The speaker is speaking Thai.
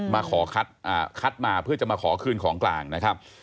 มาขอคัดมาเพื่อจะมาขอคืนของกลางนะครับ